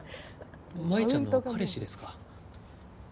舞ちゃんの彼氏ですか。